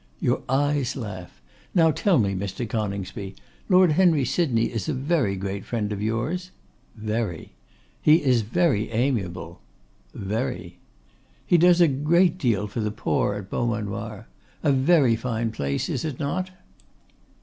'Your eyes laugh. Now tell me, Mr. Coningsby, Lord Henry Sydney is a very great friend of yours?' 'Very.' 'He is very amiable.' 'Very.' 'He does a great deal for the poor at Beaumanoir. A very fine place, is it not?